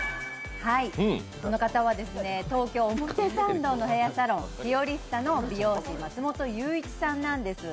この方は東京・表参道のヘアサロンｆｉｏｒｉｓｔａの美容師松本祐一さんなんです。